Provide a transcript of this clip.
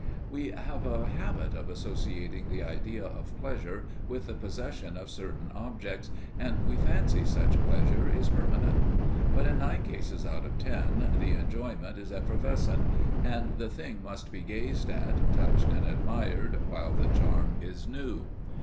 We have a habit of associating the idea of pleasure with the possession of certain objects, and we fancy such pleasure is permanent. But in nine cases out of ten the enjoyment is effervescent, and the thing must be gazed at, touched and admired while the charm is new.